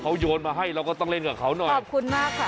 เขาโยนมาให้เราก็ต้องเล่นกับเขาหน่อยขอบคุณมากค่ะ